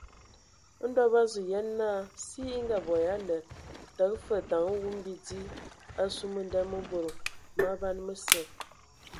Ndɔ bǝ azu yen naa si e ngaabo ya aled, təgǝ fəg daŋ wum bidi asu mə̀nda mǝ bod maban mǝsə.